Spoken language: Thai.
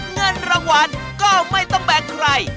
เงินรางวัลก็ไม่ต้องแบกใคร